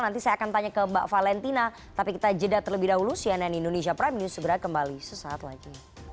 nanti saya akan tanya ke mbak valentina tapi kita jeda terlebih dahulu cnn indonesia prime news segera kembali sesaat lagi